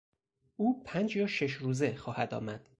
او پنج یا شش روزه خواهد آمد.